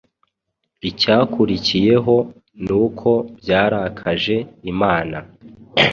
Icyakurikiyeho nuko byarakaje imana